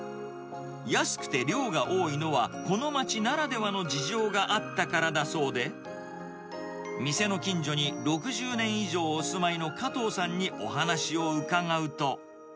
安くて量が多いのは、この街ならではの事情があったからだそうで、店の近所に６０年以上お住まいの加藤さんにお話を伺うと。